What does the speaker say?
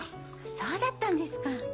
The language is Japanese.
そうだったんですか。